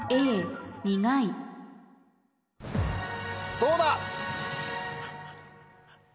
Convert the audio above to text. どうだ？